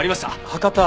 博多